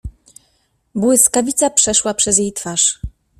Błyskawica przeszła przez jej twarz.